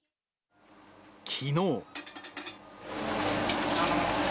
きのう。